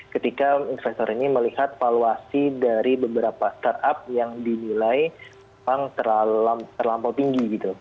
ketika investor ini melihat valuasi dari beberapa startup yang dinilai memang terlampau tinggi gitu